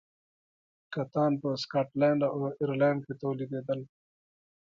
کتان په سکاټلند او ایرلنډ کې تولیدېدل.